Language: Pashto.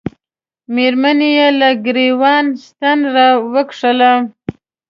مېرمنې یې له ګرېوان ستن را وکښله.